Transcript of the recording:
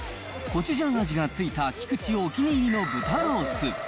コチュジャン味が付いた菊地お気に入りの豚ロース。